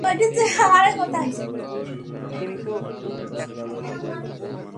স্কুলে যাদের সঙ্গে পড়তাম, গ্রামে গেলে সেই বন্ধুদের সঙ্গে দেখা হয়।